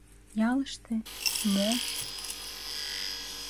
Ялыште... мо...